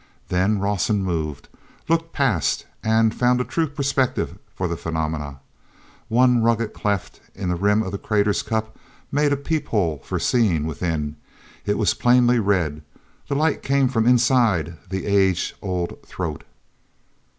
Then Rawson moved, looked past, and found a true perspective for the phenomenon. One rugged cleft in the rim of the crater's cup made a peephole for seeing within. It was plainly red—the light came from inside the age old throat.